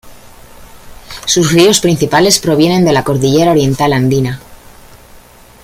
Sus ríos principales provienen de la cordillera Oriental andina.